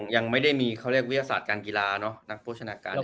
ยังไม่ได้มีวิทยาศาสตร์การกีฬานักโภชนาการ